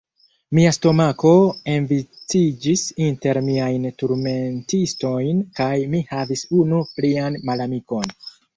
Mia stomako enviciĝis inter miajn turmentistojn, kaj mi havis unu plian malamikon.